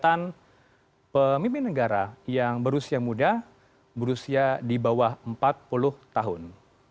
dan pemimpin negara yang berusia muda berusia di bawah empat puluh tahun